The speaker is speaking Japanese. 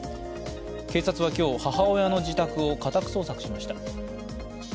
警察は今日、母親の自宅を家宅捜索しました。